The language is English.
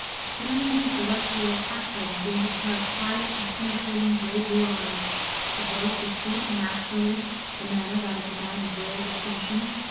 But underneath the rusty old hat brim gleamed a pair of quiet and penetrating grey blue eyes ; the voice was sweet and masterly, the manner that of a man of rare distinction.